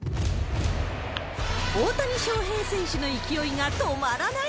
大谷翔平選手の勢いが止まらない！